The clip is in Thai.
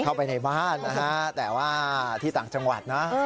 เข้าไปในบ้านนะฮะแต่ว่าที่ต่างจังหวัดนะ